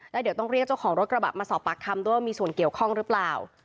แล้วเดี๋ยวต้องเรียกเจ้าของรถกระบะมาสอบปากคำด้วยว่ามีส่วนเกี่ยวข้องหรือเปล่า